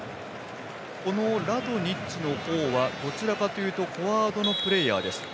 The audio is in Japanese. ラドニッチはどちらかというとフォワードのプレーヤーです。